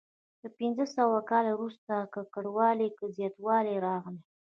له پنځه سوه کال وروسته ککړوالي کې زیاتوالی راغلی.